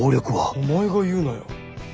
お前が言うなよ。